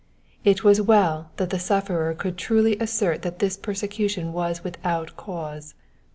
It was well that the sufferer could truthfully assert that this persecution was without cause.